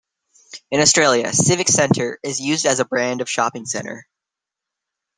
In Australia, Civic Centre is used as a brand of Shopping Centre.